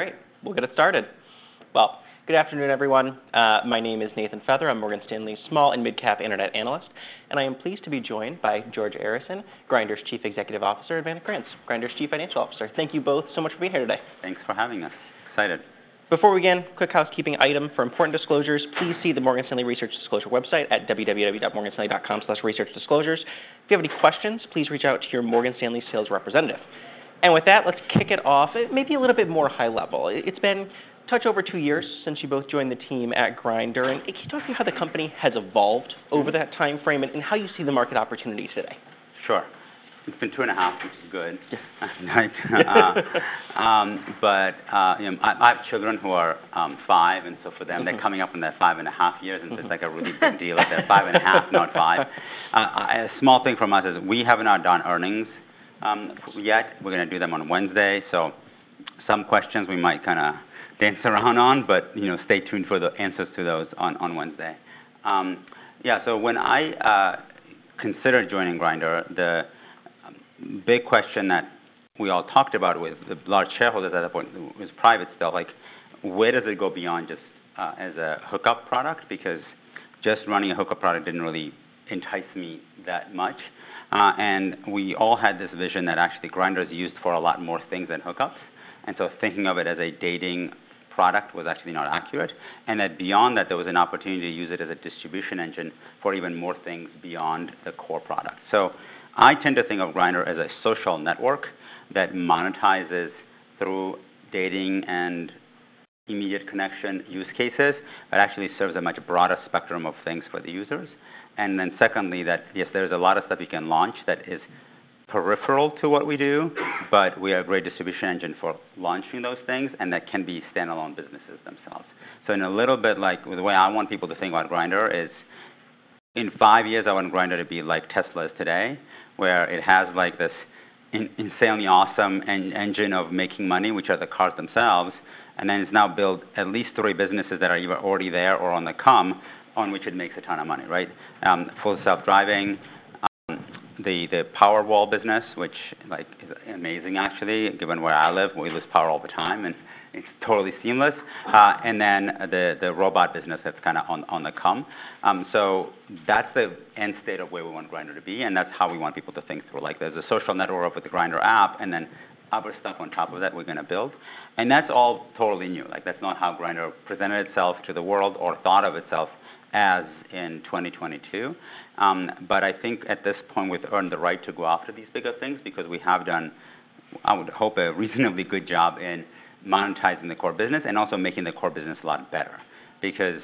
Okay. Great. We'll get it started. Good afternoon, everyone. My name is Nathan Feather. I'm Morgan Stanley's small and mid-cap internet analyst, and I am pleased to be joined by George Arison, Grindr's Chief Executive Officer, and Vanna Krantz, Grindr's Chief Financial Officer. Thank you both so much for being here today. Thanks for having us. Excited. Before we begin, quick housekeeping item for important disclosures. Please see the Morgan Stanley Research Disclosure website at www.morganstanley.com/researchdisclosures. If you have any questions, please reach out to your Morgan Stanley sales representative. And with that, let's kick it off, maybe a little bit more high level. It's been just over two years since you both joined the team at Grindr. Can you talk to me how the company has evolved over that time frame and how you see the market opportunities today? Sure. It's been two and a half, which is good. But I have children who are five, and so for them, they're coming up on their five and a half years, and so it's like a really big deal that they're five and a half, not five. A small thing from us is we have not done earnings yet. We're going to do them on Wednesday, so some questions we might kind of dance around on, but stay tuned for the answers to those on Wednesday. Yeah, so when I considered joining Grindr, the big question that we all talked about with large shareholders at that point was private stuff. Where does it go beyond just as a hookup product? Because just running a hookup product didn't really entice me that much. And we all had this vision that actually Grindr is used for a lot more things than hookups. And so thinking of it as a dating product was actually not accurate. And then beyond that, there was an opportunity to use it as a distribution engine for even more things beyond the core product. So I tend to think of Grindr as a social network that monetizes through dating and immediate connection use cases, but actually serves a much broader spectrum of things for the users. And then secondly, that yes, there is a lot of stuff you can launch that is peripheral to what we do, but we have a great distribution engine for launching those things, and that can be standalone businesses themselves. So in a little bit, like the way I want people to think about Grindr is in five years, I want Grindr to be like Tesla is today, where it has this insanely awesome engine of making money, which are the cars themselves, and then it's now built at least three businesses that are either already there or on the come, on which it makes a ton of money, right? Full Self-Driving, the Powerwall business, which is amazing, actually, given where I live, we lose power all the time, and it's totally seamless. And then the robot business that's kind of on the come. So that's the end state of where we want Grindr to be, and that's how we want people to think through. There's a social network with the Grindr app, and then other stuff on top of that we're going to build. And that's all totally new. That's not how Grindr presented itself to the world or thought of itself as in 2022. But I think at this point we've earned the right to go after these bigger things because we have done, I would hope, a reasonably good job in monetizing the core business and also making the core business a lot better. Because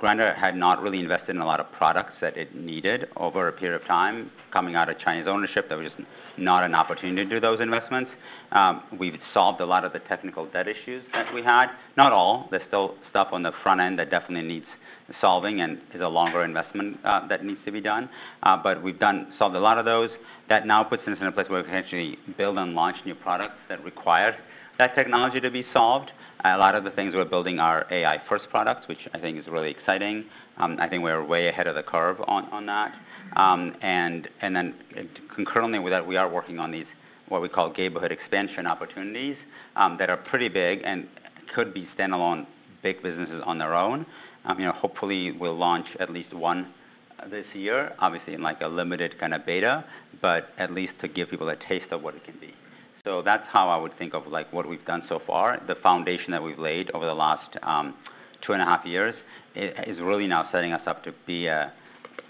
Grindr had not really invested in a lot of products that it needed over a period of time coming out of Chinese ownership that were just not an opportunity to do those investments. We've solved a lot of the technical debt issues that we had. Not all. There's still stuff on the front end that definitely needs solving and is a longer investment that needs to be done. But we've solved a lot of those. That now puts us in a place where we can actually build and launch new products that require that technology to be solved. A lot of the things we're building are AI-first products, which I think is really exciting. I think we're way ahead of the curve on that. And then concurrently with that, we are working on these what we call neighborhood expansion opportunities that are pretty big and could be standalone big businesses on their own. Hopefully, we'll launch at least one this year, obviously in a limited kind of beta, but at least to give people a taste of what it can be. So that's how I would think of what we've done so far. The foundation that we've laid over the last two and a half years is really now setting us up to be a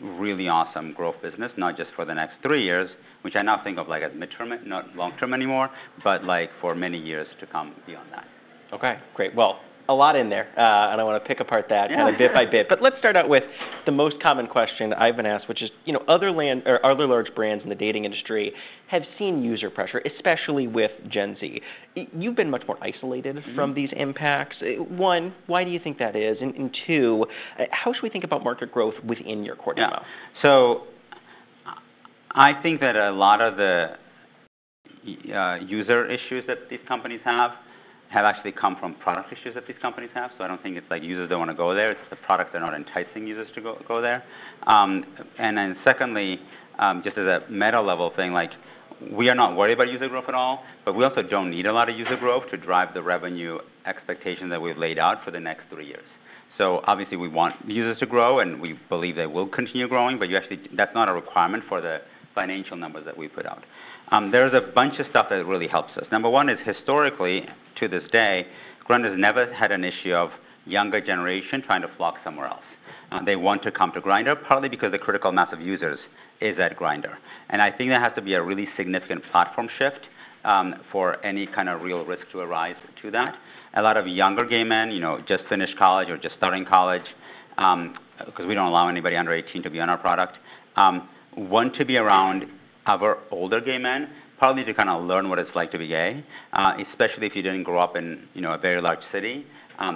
really awesome growth business, not just for the next three years, which I now think of as midterm, not long term anymore, but for many years to come beyond that. Okay. Great. Well, a lot in there, and I want to pick apart that kind of bit by bit. But let's start out with the most common question that I've been asked, which is other large brands in the dating industry have seen user pressure, especially with Gen Z. You've been much more isolated from these impacts. One, why do you think that is? And two, how should we think about market growth within your core TAM? Yeah. So I think that a lot of the user issues that these companies have actually come from product issues that these companies have, so I don't think it's like users don't want to go there. It's the products that are not enticing users to go there, and then secondly, just as a meta level thing, we are not worried about user growth at all, but we also don't need a lot of user growth to drive the revenue expectation that we've laid out for the next three years, so obviously, we want users to grow, and we believe they will continue growing, but that's not a requirement for the financial numbers that we put out. There's a bunch of stuff that really helps us. Number one is historically, to this day, Grindr has never had an issue of younger generation trying to flock somewhere else. They want to come to Grindr, partly because the critical mass of users is at Grindr. And I think there has to be a really significant platform shift for any kind of real risk to arise to that. A lot of younger gay men just finished college or just starting college because we don't allow anybody under 18 to be on our product want to be around other older gay men, probably to kind of learn what it's like to be gay, especially if you didn't grow up in a very large city.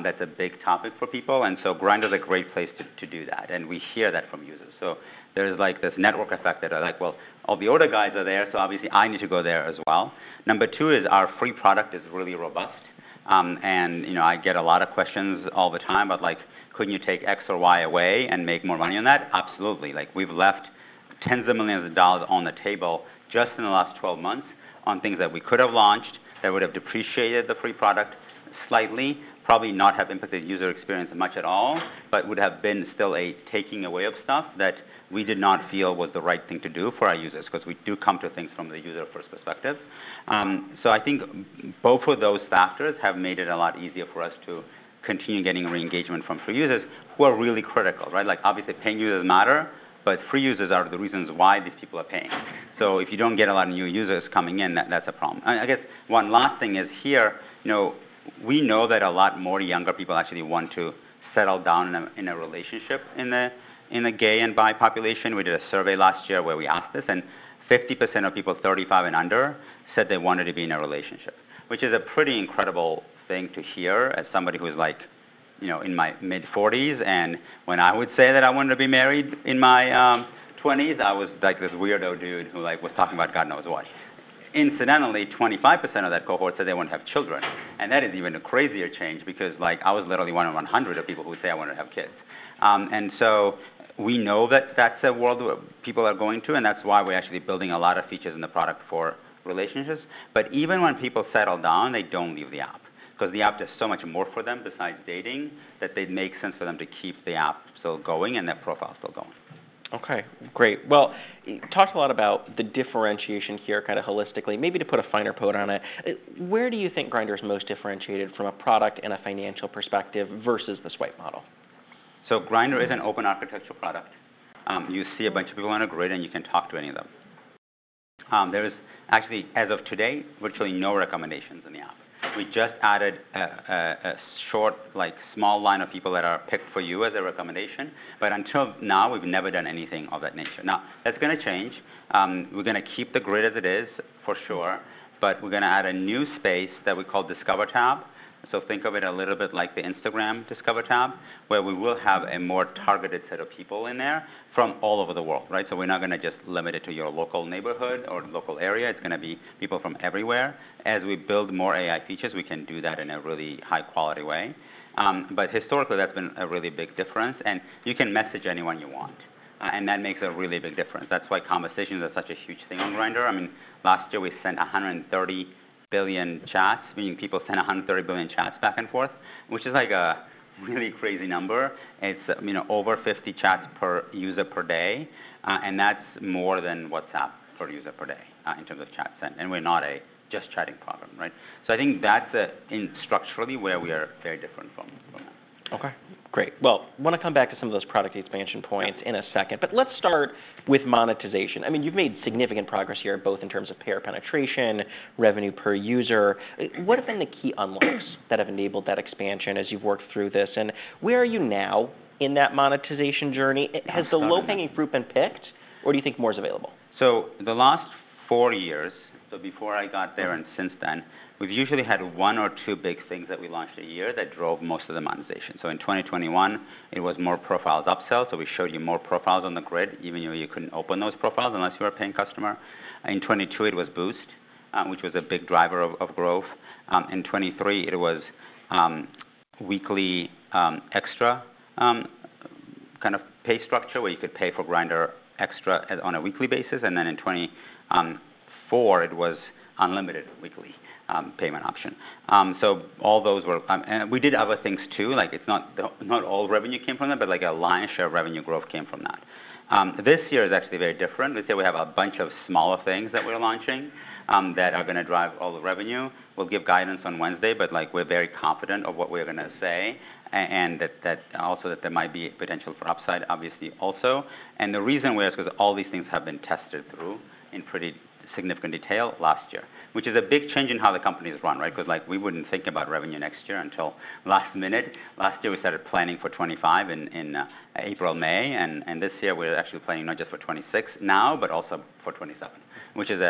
That's a big topic for people. And so Grindr is a great place to do that, and we hear that from users. So there's this network effect that are like, well, all the older guys are there, so obviously I need to go there as well. Number two is our free product is really robust. I get a lot of questions all the time about, couldn't you take X or Y away and make more money on that? Absolutely. We've left tens of millions of dollars on the table just in the last 12 months on things that we could have launched that would have depreciated the free product slightly, probably not have impacted user experience much at all, but would have been still a taking away of stuff that we did not feel was the right thing to do for our users because we do come to things from the user-first perspective. I think both of those factors have made it a lot easier for us to continue getting re-engagement from free users, who are really critical. Obviously, paying users matter, but free users are the reasons why these people are paying. So if you don't get a lot of new users coming in, that's a problem. I guess one last thing is here, we know that a lot more younger people actually want to settle down in a relationship in the gay and bi population. We did a survey last year where we asked this, and 50% of people 35 and under said they wanted to be in a relationship, which is a pretty incredible thing to hear as somebody who is in my mid-40s. And when I would say that I wanted to be married in my 20s, I was like this weirdo dude who was talking about God knows what. Incidentally, 25% of that cohort said they wanted to have children. And that is even a crazier change because I was literally one in 100 of people who would say I wanted to have kids. And so we know that that's a world where people are going to, and that's why we're actually building a lot of features in the product for relationships. But even when people settle down, they don't leave the app because the app does so much more for them besides dating that they'd make sense for them to keep the app still going and their profile still going. Okay. Great. Well, talked a lot about the differentiation here kind of holistically. Maybe to put a finer point on it, where do you think Grindr is most differentiated from a product and a financial perspective versus the swipe model? Grindr is an open architecture product. You see a bunch of people on a grid, and you can talk to any of them. There is actually, as of today, virtually no recommendations in the app. We just added a short, small line of people that are picked for you as a recommendation, but until now, we've never done anything of that nature. Now, that's going to change. We're going to keep the grid as it is, for sure, but we're going to add a new space that we call Discover Tab. Think of it a little bit like the Instagram Discover Tab, where we will have a more targeted set of people in there from all over the world. We're not going to just limit it to your local neighborhood or local area. It's going to be people from everywhere. As we build more AI features, we can do that in a really high-quality way, but historically, that's been a really big difference, and you can message anyone you want, and that makes a really big difference. That's why conversations are such a huge thing on Grindr. I mean, last year, we sent 130 billion chats. People sent 130 billion chats back and forth, which is like a really crazy number. It's over 50 chats per user per day, and that's more than WhatsApp per user per day in terms of chat sent, and we're not a just chatting problem, so I think that's structurally where we are very different from that. Okay. Great. Well, I want to come back to some of those product expansion points in a second, but let's start with monetization. I mean, you've made significant progress here, both in terms of payer penetration, revenue per user. What have been the key unlocks that have enabled that expansion as you've worked through this? And where are you now in that monetization journey? Has the low-hanging fruit been picked, or do you think more is available? So the last four years, so before I got there and since then, we've usually had one or two big things that we launched a year that drove most of the monetization. So in 2021, it was more profiles upsell. So we showed you more profiles on the grid, even though you couldn't open those profiles unless you were a paying customer. In 2022, it was Boost, which was a big driver of growth. In 2023, it was Weekly XTRA kind of pay structure where you could pay for Grindr XTRA on a weekly basis. And then in 2024, it was Unlimited weekly payment option. So all those were. We did other things too. Not all revenue came from that, but a lion's share of revenue growth came from that. This year is actually very different. This year, we have a bunch of smaller things that we're launching that are going to drive all the revenue. We'll give guidance on Wednesday, but we're very confident of what we're going to say and also that there might be potential for upside, obviously also. The reason we ask is because all these things have been tested through in pretty significant detail last year, which is a big change in how the company is run. We wouldn't think about revenue next year until last minute. Last year, we started planning for 2025 in April, May. This year, we're actually planning not just for 2026 now, but also for 2027, which is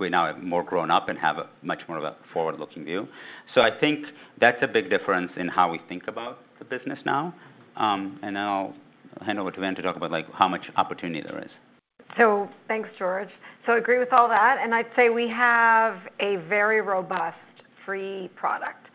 we now have more grown up and have much more of a forward-looking view. I think that's a big difference in how we think about the business now. I'll hand over to Van to talk about how much opportunity there is. So thanks, George. So I agree with all that. And I'd say we have a very robust free product.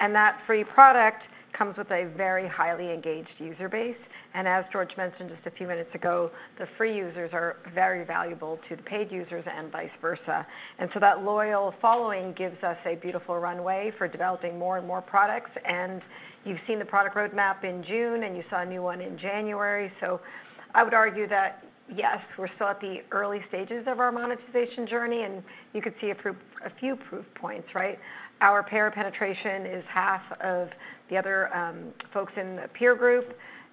And that free product comes with a very highly engaged user base. And as George mentioned just a few minutes ago, the free users are very valuable to the paid users and vice versa. And so that loyal following gives us a beautiful runway for developing more and more products. And you've seen the product roadmap in June, and you saw a new one in January. So I would argue that, yes, we're still at the early stages of our monetization journey, and you could see a few proof points. Our payer penetration is half of the other folks in the peer group.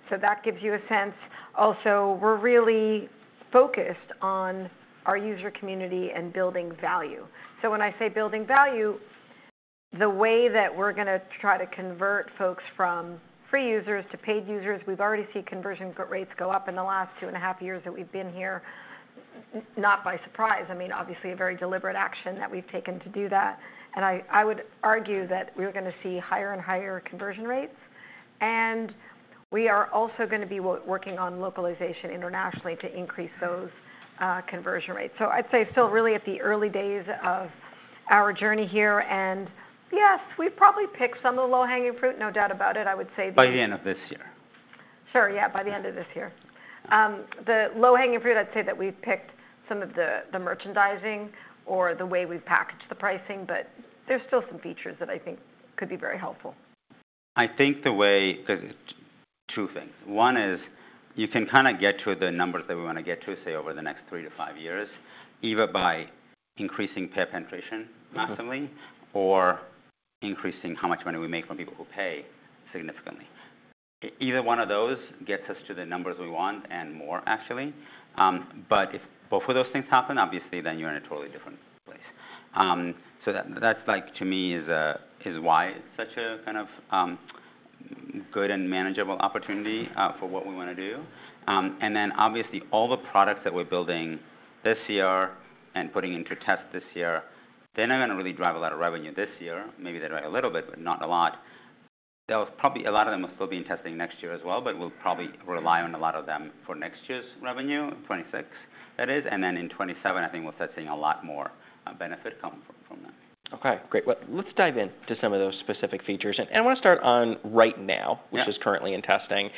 So that gives you a sense. Also, we're really focused on our user community and building value. So, when I say building value, the way that we're going to try to convert folks from free users to paid users, we've already seen conversion rates go up in the last two and a half years that we've been here, not by surprise. I mean, obviously, a very deliberate action that we've taken to do that. And I would argue that we're going to see higher and higher conversion rates. And we are also going to be working on localization internationally to increase those conversion rates. So I'd say still really at the early days of our journey here. And yes, we've probably picked some of the low-hanging fruit, no doubt about it. I would say. By the end of this year. Sure, yeah, by the end of this year. The low-hanging fruit, I'd say that we've picked some of the merchandising or the way we've packaged the pricing, but there's still some features that I think could be very helpful. I think the way because two things. One is you can kind of get to the numbers that we want to get to, say, over the next three to five years, either by increasing payer penetration massively or increasing how much money we make from people who pay significantly. Either one of those gets us to the numbers we want and more, actually. But if both of those things happen, obviously, then you're in a totally different place. So that, to me, is why it's such a kind of good and manageable opportunity for what we want to do. And then, obviously, all the products that we're building this year and putting into test this year, they're not going to really drive a lot of revenue this year. Maybe they're driving a little bit, but not a lot. A lot of them will still be in testing next year as well, but we'll probably rely on a lot of them for next year's revenue, 2026, that is, and then in 2027, I think we'll start seeing a lot more benefit come from that. Okay. Great. Let's dive into some of those specific features and I want to start on Right Now, which is currently in testing.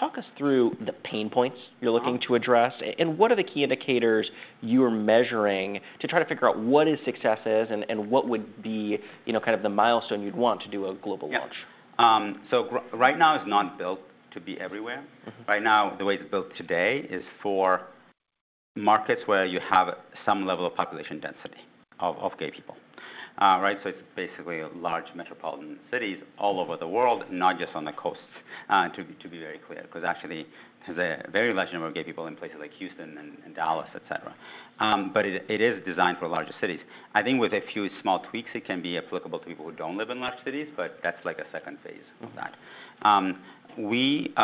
Talk us through the pain points you're looking to address, and what are the key indicators you are measuring to try to figure out what success is and what would be kind of the milestone you'd want to do a global launch? So Right Now, it's not built to be everywhere. Right Now, the way it's built today is for markets where you have some level of population density of gay people. So it's basically large metropolitan cities all over the world, not just on the coasts, to be very clear, because actually, there's a very large number of gay people in places like Houston and Dallas, et cetera. But it is designed for larger cities. I think with a few small tweaks, it can be applicable to people who don't live in large cities, but that's like a second phase of that. When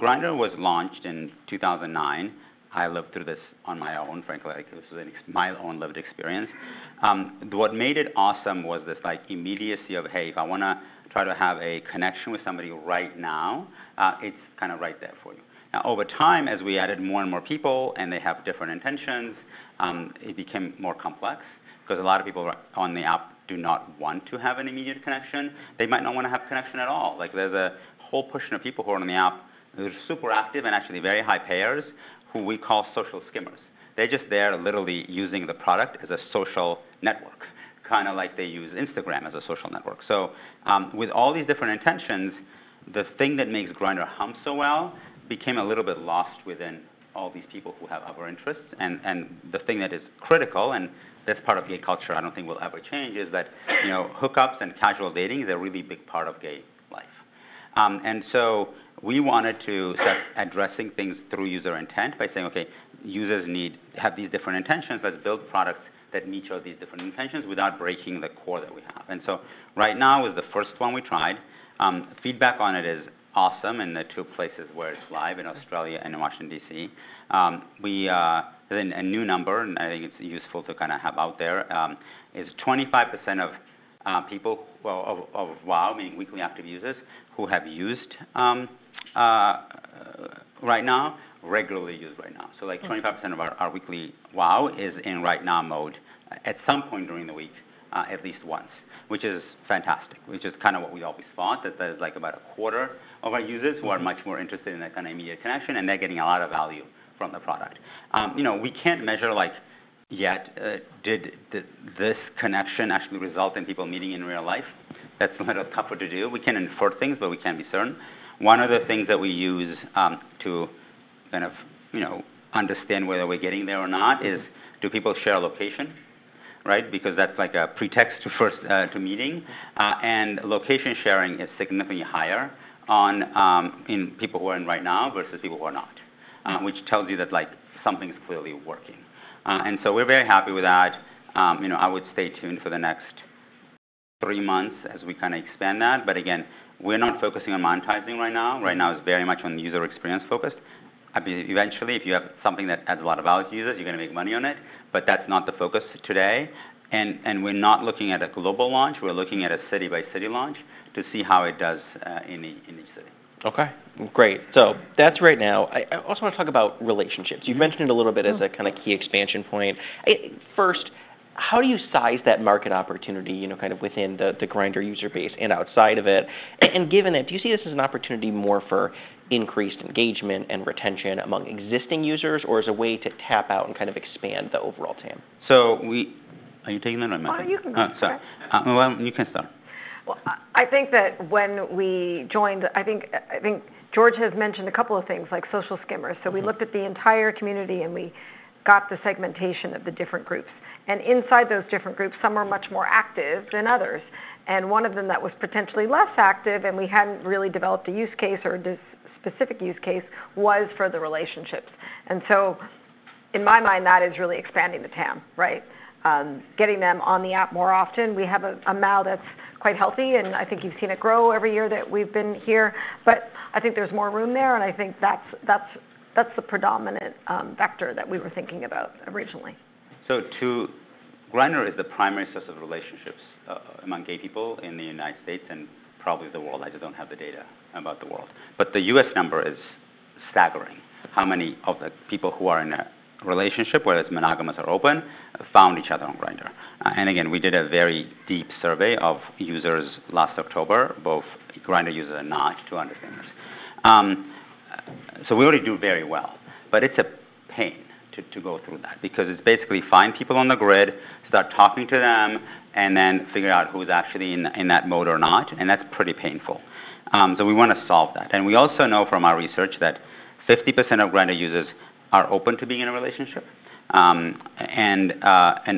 Grindr was launched in 2009, I lived through this on my own, frankly. This was my own lived experience. What made it awesome was this immediacy of, hey, if I want to try to have a connection with somebody right now, it's kind of right there for you. Now, over time, as we added more and more people and they have different intentions, it became more complex because a lot of people on the app do not want to have an immediate connection. They might not want to have a connection at all. There's a whole push of people who are on the app who are super active and actually very high payers who we call social skimmers. They're just there literally using the product as a social network, kind of like they use Instagram as a social network. So with all these different intentions, the thing that makes Grindr hum so well became a little bit lost within all these people who have other interests, and the thing that is critical, and this part of gay culture, I don't think will ever change, is that hookups and casual dating is a really big part of gay life. And so we wanted to start addressing things through user intent by saying, okay, users have these different intentions. Let's build products that meet all these different intentions without breaking the core that we have. And so Right Now is the first one we tried. Feedback on it is awesome, and the two places where it's live in Australia and Washington, D.C., there's a new number, and I think it's useful to kind of have out there, is 25% of people, WAU, meaning weekly active users who have used Right Now, regularly use Right Now. 25% of our weekly WAU is in Right Now mode at some point during the week, at least once, which is fantastic, which is kind of what we always thought, that there's about a quarter of our users who are much more interested in that kind of immediate connection, and they're getting a lot of value from the product. We can't measure yet did this connection actually result in people meeting in real life. That's a little tougher to do. We can infer things, but we can't be certain. One of the things that we use to kind of understand whether we're getting there or not is do people share location? Because that's like a pretext to meeting. Location sharing is significantly higher in people who are in Right Now versus people who are not, which tells you that something's clearly working. And so we're very happy with that. I would stay tuned for the next three months as we kind of expand that. But again, we're not focusing on monetizing Right Now. Right Now, it's very much on user experience focused. Eventually, if you have something that adds a lot of value to users, you're going to make money on it, but that's not the focus today. And we're not looking at a global launch. We're looking at a city-by-city launch to see how it does in each city. Okay. Great. So that's Right Now. I also want to talk about relationships. You've mentioned it a little bit as a kind of key expansion point. First, how do you size that market opportunity kind of within the Grindr user base and outside of it? And given that, do you see this as an opportunity more for increased engagement and retention among existing users, or as a way to tap into and kind of expand the overall TAM? So are you taking that or am I? Oh, you can start. You can start. I think that when we joined, I think George has mentioned a couple of things, like social skimmers. We looked at the entire community, and we got the segmentation of the different groups. Inside those different groups, some are much more active than others. One of them that was potentially less active, and we hadn't really developed a use case or a specific use case, was for the relationships. In my mind, that is really expanding the TAM, getting them on the app more often. We have a MAU that's quite healthy, and I think you've seen it grow every year that we've been here. I think there's more room there, and I think that's the predominant vector that we were thinking about originally. Grindr is the primary source of relationships among gay people in the United States and probably the world. I just don't have the data about the world. But the U.S. number is staggering, how many of the people who are in a relationship, whether it's monogamous or open, found each other on Grindr. And again, we did a very deep survey of users last October, both Grindr users and not, to understand this. So we already do very well, but it's a pain to go through that because it's basically find people on the grid, start talking to them, and then figure out who's actually in that mode or not. And that's pretty painful. So we want to solve that. And we also know from our research that 50% of Grindr users are open to being in a relationship. And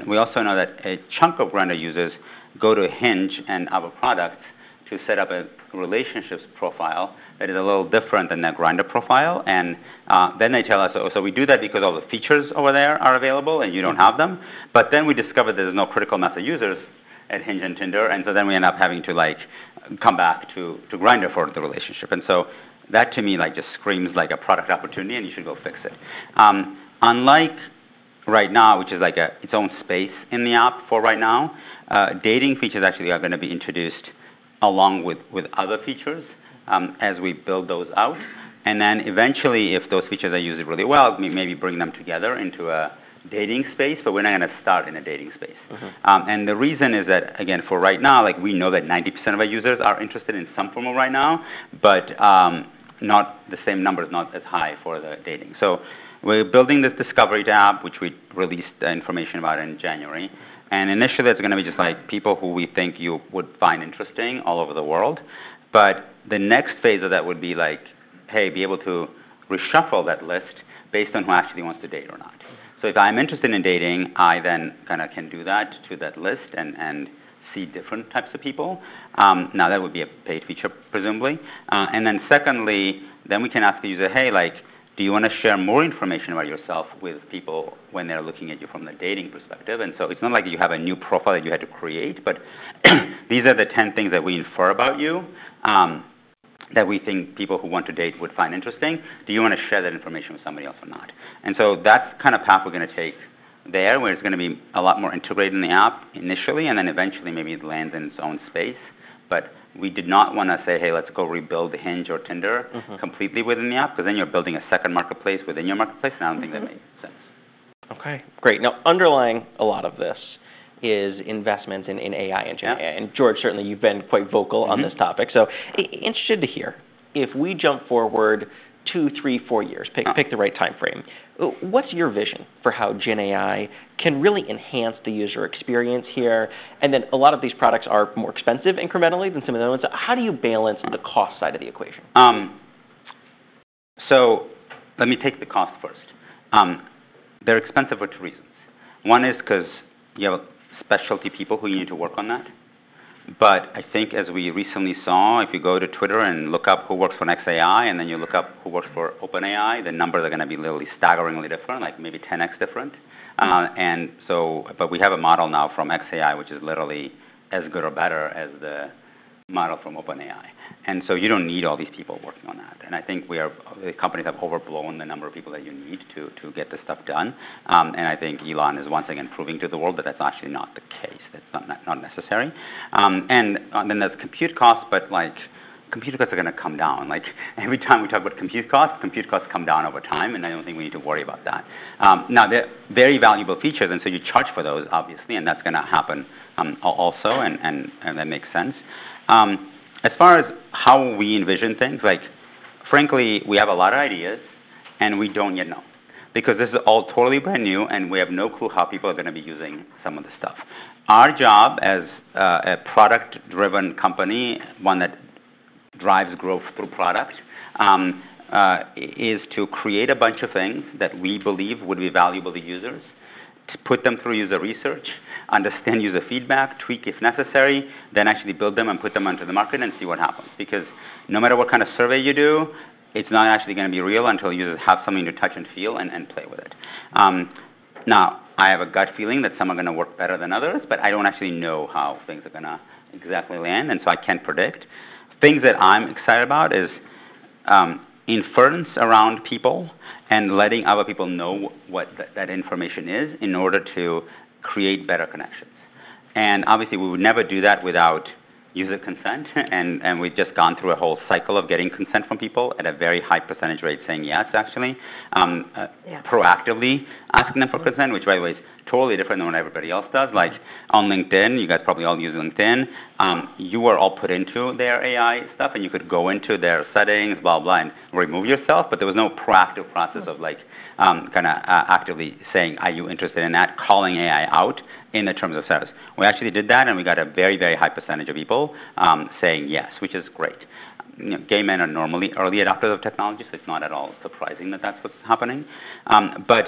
we also know that a chunk of Grindr users go to Hinge and other products to set up a relationship profile that is a little different than their Grindr profile. And then they tell us, oh, so we do that because all the features over there are available and you don't have them. But then we discovered there's no critical mass of users at Hinge and Tinder. And so then we end up having to come back to Grindr for the relationship. And so that, to me, just screams like a product opportunity, and you should go fix it. Unlike Right Now, which is like its own space in the app for Right Now, dating features actually are going to be introduced along with other features as we build those out. And then eventually, if those features are used really well, we maybe bring them together into a dating space, but we're not going to start in a dating space. And the reason is that, again, for Right Now, we know that 90% of our users are interested in some form of Right Now, but the same number is not as high for the dating. So we're building this Discover Tab, which we released information about in January. And initially, that's going to be just like people who we think you would find interesting all over the world. But the next phase of that would be like, hey, be able to reshuffle that list based on who actually wants to date or not. So if I'm interested in dating, I then kind of can do that to that list and see different types of people. Now, that would be a paid feature, presumably, and then secondly, then we can ask the user, "Hey, do you want to share more information about yourself with people when they're looking at you from the dating perspective?" And so it's not like you have a new profile that you had to create, but these are the 10 things that we infer about you that we think people who want to date would find interesting. "Do you want to share that information with somebody else or not?" And so that's kind of the path we're going to take there, where it's going to be a lot more integrated in the app initially, and then eventually maybe it lands in its own space. But we did not want to say, hey, let's go rebuild the Hinge or Tinder completely within the app, because then you're building a second marketplace within your marketplace, and I don't think that makes sense. Okay. Great. Now, underlying a lot of this is investments in AI and Gen AI. And George, certainly, you've been quite vocal on this topic. So, interested to hear, if we jump forward two, three, four years, pick the right time frame, what's your vision for how Gen AI can really enhance the user experience here? And then a lot of these products are more expensive incrementally than some of the ones. How do you balance the cost side of the equation? So let me take the cost first. They're expensive for two reasons. One is because you have specialty people who you need to work on that. But I think as we recently saw, if you go to Twitter and look up who works for xAI, and then you look up who works for OpenAI, the numbers are going to be literally staggeringly different, like maybe 10x different. And so we have a model now from xAI, which is literally as good or better as the model from OpenAI. And so you don't need all these people working on that. And I think companies have overblown the number of people that you need to get this stuff done. And I think Elon is once again proving to the world that that's actually not the case. That's not necessary. And then there's compute costs, but compute costs are going to come down. Every time we talk about compute costs, compute costs come down over time, and I don't think we need to worry about that. Now, they're very valuable features, and so you charge for those, obviously, and that's going to happen also, and that makes sense. As far as how we envision things, frankly, we have a lot of ideas, and we don't yet know, because this is all totally brand new, and we have no clue how people are going to be using some of the stuff. Our job as a product-driven company, one that drives growth through product, is to create a bunch of things that we believe would be valuable to users, to put them through user research, understand user feedback, tweak if necessary, then actually build them and put them onto the market and see what happens. Because no matter what kind of survey you do, it's not actually going to be real until users have something to touch and feel and play with it. Now, I have a gut feeling that some are going to work better than others, but I don't actually know how things are going to exactly land, and so I can't predict. Things that I'm excited about is inference around people and letting other people know what that information is in order to create better connections, and obviously, we would never do that without user consent. And we've just gone through a whole cycle of getting consent from people at a very high percentage rate, saying yes, actually, proactively asking them for consent, which, by the way, is totally different than what everybody else does. On LinkedIn, you guys probably all use LinkedIn. You were all put into their AI stuff, and you could go into their settings, blah, blah, and remove yourself. But there was no proactive process of kind of actively saying, are you interested in that, calling AI out in terms of service. We actually did that, and we got a very, very high percentage of people saying yes, which is great. Gay men are normally early adopters of technology, so it's not at all surprising that that's what's happening. But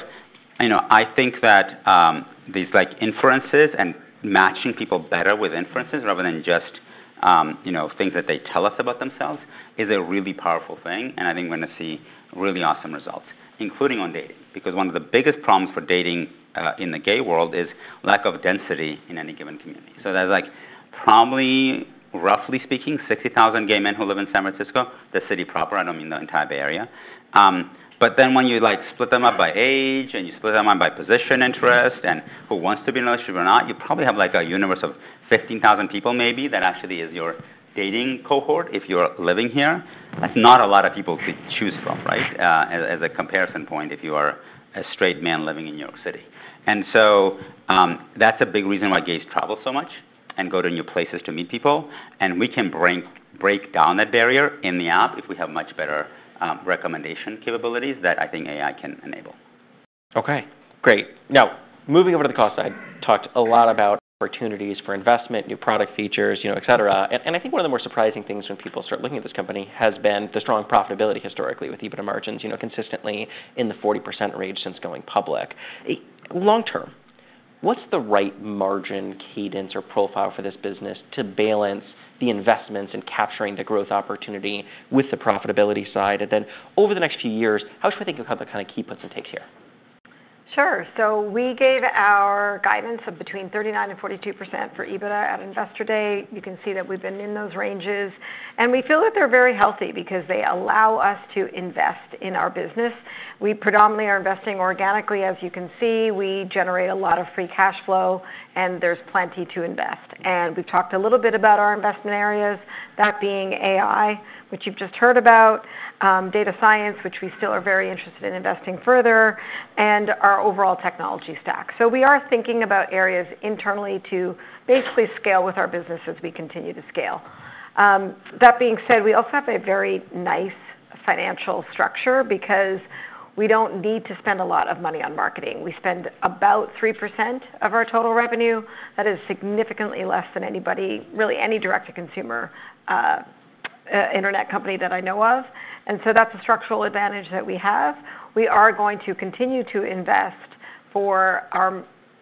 I think that these inferences and matching people better with inferences rather than just things that they tell us about themselves is a really powerful thing. And I think we're going to see really awesome results, including on dating, because one of the biggest problems for dating in the gay world is lack of density in any given community. So there's probably, roughly speaking, 60,000 gay men who live in San Francisco, the city proper. I don't mean the entire Bay Area. But then when you split them up by age and you split them up by position, interest, and who wants to be in a relationship or not, you probably have a universe of 15,000 people maybe that actually is your dating cohort if you're living here. That's not a lot of people to choose from as a comparison point if you are a straight man living in New York City. And so that's a big reason why gays travel so much and go to new places to meet people. And we can break down that barrier in the app if we have much better recommendation capabilities that I think AI can enable. Okay. Great. Now, moving over to the cost side, talked a lot about opportunities for investment, new product features, et cetera. And I think one of the more surprising things when people start looking at this company has been the strong profitability historically with even a margin consistently in the 40% range since going public. Long term, what's the right margin cadence or profile for this business to balance the investments and capturing the growth opportunity with the profitability side? And then over the next few years, how should we think of how the kind of key puts and takes here? Sure, so we gave our guidance of between 39% and 42% for EBITDA at Investor Day. You can see that we've been in those ranges, and we feel that they're very healthy because they allow us to invest in our business. We predominantly are investing organically, as you can see. We generate a lot of free cash flow, and there's plenty to invest, and we've talked a little bit about our investment areas, that being AI, which you've just heard about, data science, which we still are very interested in investing further, and our overall technology stack, so we are thinking about areas internally to basically scale with our business as we continue to scale. That being said, we also have a very nice financial structure because we don't need to spend a lot of money on marketing. We spend about 3% of our total revenue. That is significantly less than anybody, really any direct-to-consumer internet company that I know of. And so that's a structural advantage that we have. We are going to continue to invest for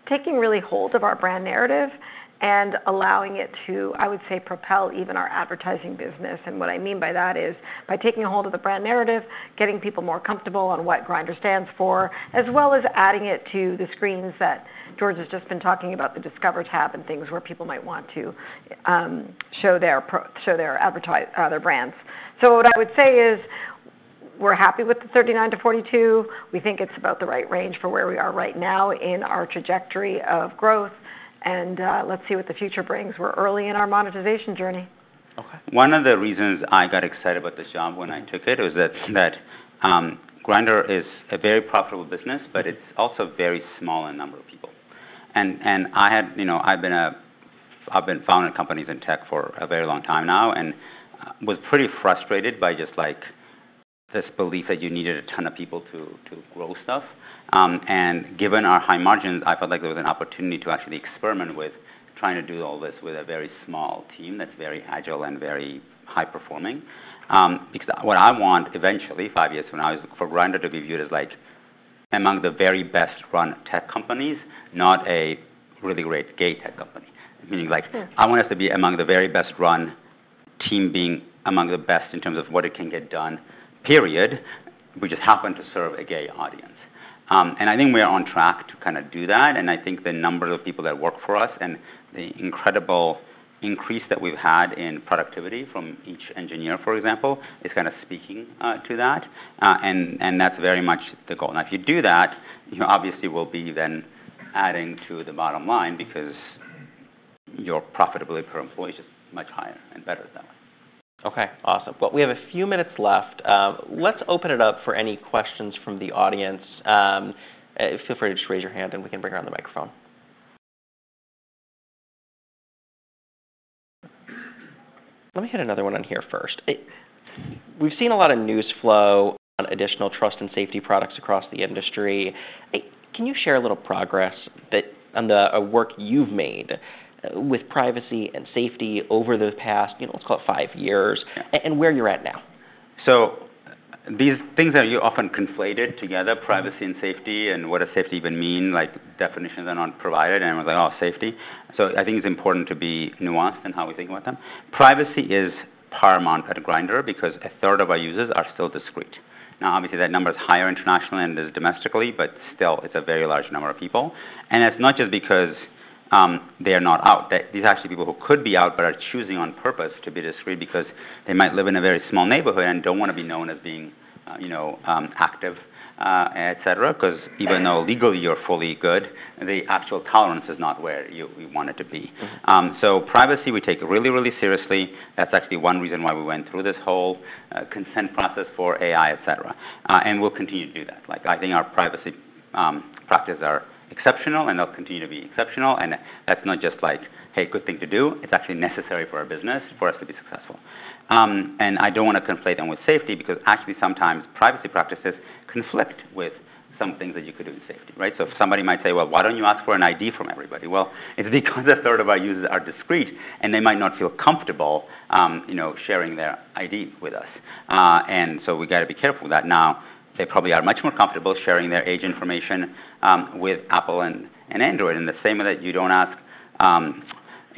taking really hold of our brand narrative and allowing it to, I would say, propel even our advertising business. And what I mean by that is by taking hold of the brand narrative, getting people more comfortable on what Grindr stands for, as well as adding it to the screens that George has just been talking about, the discover tab and things where people might want to show their brands. So what I would say is we're happy with the 39%-42%. We think it's about the right range for where we are right now in our trajectory of growth. And let's see what the future brings. We're early in our monetization journey. Okay. One of the reasons I got excited about this job when I took it was that Grindr is a very profitable business, but it's also very small in number of people. And I've been founding companies in tech for a very long time now and was pretty frustrated by just this belief that you needed a ton of people to grow stuff. And given our high margins, I felt like there was an opportunity to actually experiment with trying to do all this with a very small team that's very agile and very high-performing. Because what I want eventually, five years from now, is for Grindr to be viewed as among the very best-run tech companies, not a really great gay tech company. Meaning, I want us to be among the very best-run team, being among the best in terms of what it can get done. Period, we just happen to serve a gay audience. And I think we are on track to kind of do that. And I think the number of people that work for us and the incredible increase that we've had in productivity from each engineer, for example, is kind of speaking to that. And that's very much the goal. Now, if you do that, you obviously will be then adding to the bottom line because your profitability per employee is just much higher and better that way. Okay. Awesome. Well, we have a few minutes left. Let's open it up for any questions from the audience. Feel free to just raise your hand, and we can bring around the microphone. Let me get another one on here first. We've seen a lot of news flow on additional trust and safety products across the industry. Can you share a little progress on the work you've made with privacy and safety over the past, let's call it five years, and where you're at now? These things are often conflated together, privacy and safety, and what does safety even mean? Definitions are not provided, and everyone's like, oh, safety. I think it's important to be nuanced in how we think about them. Privacy is paramount at Grindr because a third of our users are still discreet. Now, obviously, that number is higher internationally than it is domestically, but still, it's a very large number of people. It's not just because they're not out. These are actually people who could be out but are choosing on purpose to be discreet because they might live in a very small neighborhood and don't want to be known as being active, et cetera, because even though legally you're fully good, the actual tolerance is not where you want it to be. Privacy, we take really, really seriously. That's actually one reason why we went through this whole consent process for AI, et cetera. And we'll continue to do that. I think our privacy practices are exceptional, and they'll continue to be exceptional. And that's not just like, hey, good thing to do. It's actually necessary for our business for us to be successful. And I don't want to conflate them with safety because actually sometimes privacy practices conflict with some things that you could do in safety. So if somebody might say, well, why don't you ask for an ID from everybody? Well, it's because a third of our users are discreet, and they might not feel comfortable sharing their ID with us. And so we got to be careful with that. Now, they probably are much more comfortable sharing their age information with Apple and Android. And the same with it. You don't ask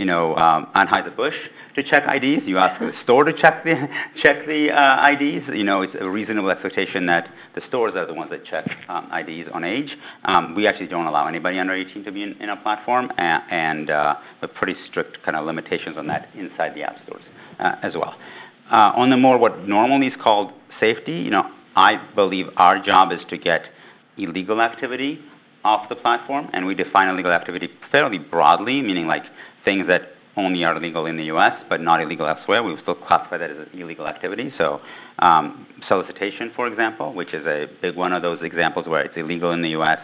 Anheuser-Busch to check IDs. You ask the store to check the IDs. It's a reasonable expectation that the stores are the ones that check IDs on age. We actually don't allow anybody under 18 to be in our platform. And we have pretty strict kind of limitations on that inside the app stores as well. On the more what normally is called safety, I believe our job is to get illegal activity off the platform. And we define illegal activity fairly broadly, meaning things that only are legal in the U.S. but not illegal elsewhere. We will still classify that as an illegal activity. So solicitation, for example, which is a big one of those examples where it's illegal in the U.S.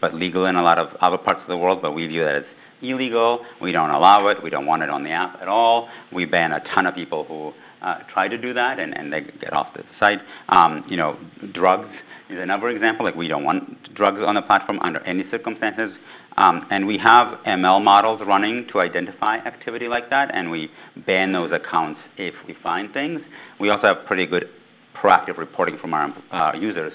but legal in a lot of other parts of the world, but we view that as illegal. We don't allow it. We don't want it on the app at all. We ban a ton of people who try to do that, and they get off the site. Drugs is another example. We don't want drugs on the platform under any circumstances, and we have ML models running to identify activity like that, and we ban those accounts if we find things. We also have pretty good proactive reporting from our users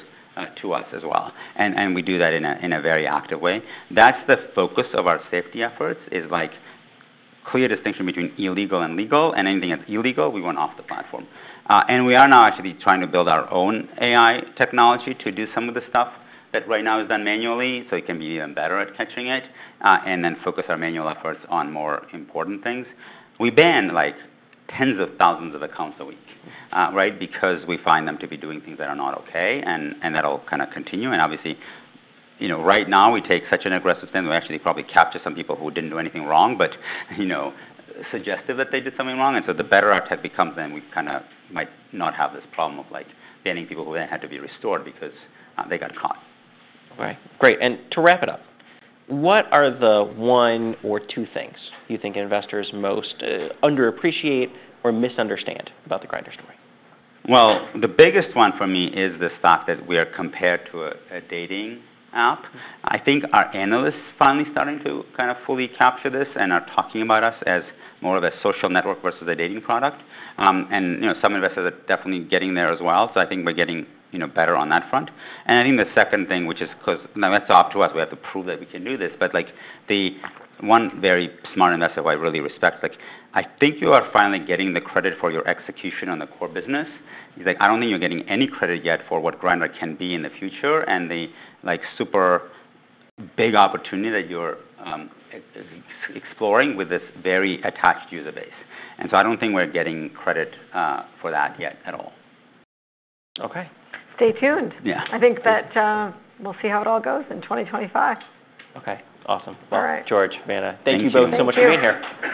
to us as well, and we do that in a very active way. That's the focus of our safety efforts, is clear distinction between illegal and legal, and anything that's illegal, we want off the platform, and we are now actually trying to build our own AI technology to do some of the stuff that Right Now is done manually, so we can be even better at catching it and then focus our manual efforts on more important things. We ban tens of thousands of accounts a week because we find them to be doing things that are not okay, and that'll kind of continue, and obviously, right now, we take such an aggressive stance. We actually probably capture some people who didn't do anything wrong but suggested that they did something wrong, and so the better our tech becomes, then we kind of might not have this problem of banning people who then had to be restored because they got caught. Okay. Great, and to wrap it up, what are the one or two things you think investors most underappreciate or misunderstand about the Grindr story? The biggest one for me is the fact that we are compared to a dating app. I think our analysts are finally starting to kind of fully capture this and are talking about us as more of a social network versus a dating product. And some investors are definitely getting there as well. So I think we're getting better on that front. And I think the second thing, which is because now that's up to us. We have to prove that we can do this. But the one very smart investor who I really respect, I think you are finally getting the credit for your execution on the core business. I don't think you're getting any credit yet for what Grindr can be in the future and the super big opportunity that you're exploring with this very attached user base. I don't think we're getting credit for that yet at all. Okay. Stay tuned. I think that we'll see how it all goes in 2025. Okay. Awesome. All right. George, Vanna, thank you both so much for being here.